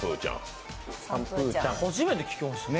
初めて聞きましたね